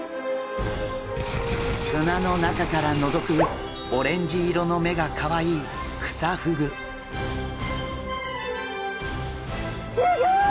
砂の中からのぞくオレンジ色の目がカワイイすギョい！